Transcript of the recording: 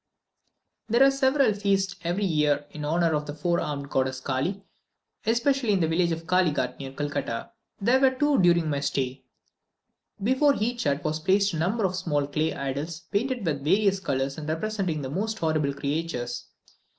There are several different feasts every year in honour of the four armed goddess Kally, especially in the village of Kallighat, near Calcutta. There were two during my stay. Before each hut was placed a number of small clay idols, painted with various colours and representing the most horrible creatures.